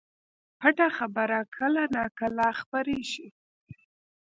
پټه خبره کله نا کله خپرېږي